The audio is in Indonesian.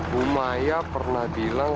bu maya pernah bilang